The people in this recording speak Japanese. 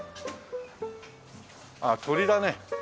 あっ鳥だね。